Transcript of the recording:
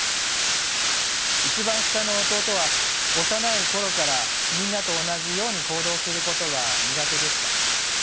一番下の弟は幼い頃からみんなと同じように行動することが苦手でした。